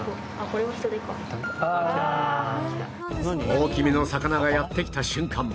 大きめの魚がやって来た瞬間